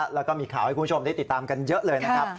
แล้วก็มีข่าวให้คุณผู้ชมได้ติดตามกันเยอะเลยนะครับ